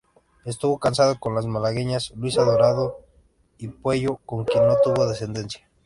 Estuvo casado con la malagueña Luisa Dorado y Puello, con quien no tuvo descendencia.